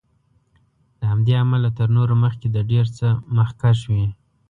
له همدې امله تر نورو مخکې د ډېر څه مخکښ وي.